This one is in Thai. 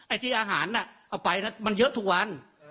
ที่อาหารเอาไปมันเยอะทุกวัน